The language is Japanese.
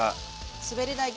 滑り台！